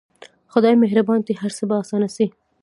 خداى مهربان دى هر څه به اسانه سي.